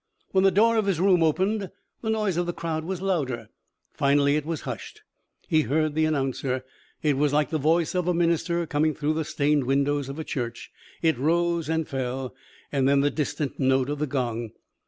When the door of his room opened, the noise of the crowd was louder. Finally it was hushed. He heard the announcer. It was like the voice of a minister coming through the stained windows of a church. It rose and fell. Then the distant note of the gong.